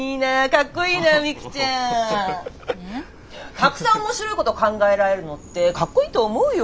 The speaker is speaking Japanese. たくさん面白いこと考えられるのってかっこいいと思うよ。